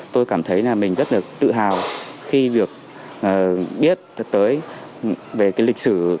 tôi cảm thấy mình rất tự hào khi biết về lịch sử